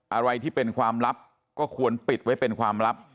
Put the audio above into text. อะไรที่เป็นความลับก็ควรปิดไว้เป็นความลับ